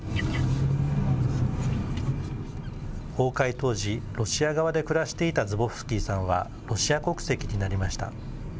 崩壊当時、ロシア側で暮らしていたズボフスキーさんは、ロシア国籍になりました。